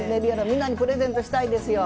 みんなにプレゼントしたいですよ。